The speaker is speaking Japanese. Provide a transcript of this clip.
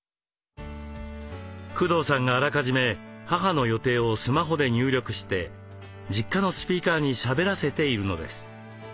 工藤さんがあらかじめ母の予定をスマホで入力して実家のスピーカーにしゃべらせているのです。